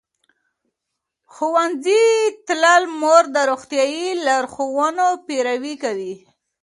ښوونځې تللې مور د روغتیايي لارښوونو پیروي کوي.